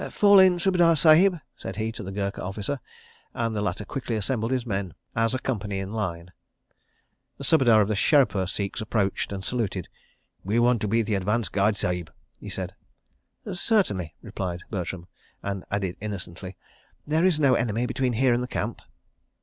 "Fall in, Subedar Sahib," said he to the Gurkha officer, and the latter quickly assembled his men as a company in line. The Subedar of the Sherepur Sikhs approached and saluted. "We want to be the advance guard, Sahib," he said. "Certainly," replied Bertram, and added innocently, "There is no enemy between here and the camp."